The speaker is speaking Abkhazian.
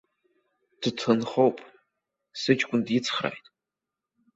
Дҭынхоуп, сыҷкәын дицхрааит.